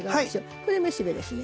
これめしべですね。